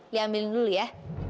diambil dulu ya